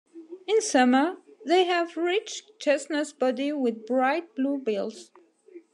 In summer, they have rich chestnut bodies with bright blue bills.